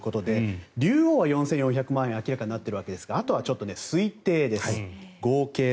全て取ったということで竜王４４００万円は明らかになっているわけですがあとは推定です。